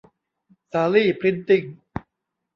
สาลี่ พริ้นท์ติ้ง